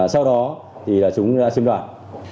sau đó thì là chúng đã chiếm đoạt